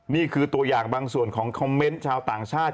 นี่คือตัวอย่างบางส่วนของคอมเมนต์ชาวต่างชาติ